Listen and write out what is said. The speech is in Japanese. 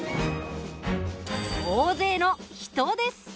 大勢の人です！